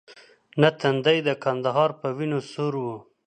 نه تندی د کندهار په وینو سور وو.